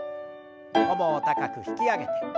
ももを高く引き上げて。